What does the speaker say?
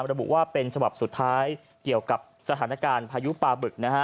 ระบุว่าเป็นฉบับสุดท้ายเกี่ยวกับสถานการณ์พายุปลาบึกนะฮะ